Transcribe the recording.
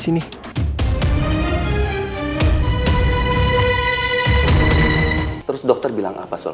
sebenernya tesla udah lancar banget samailer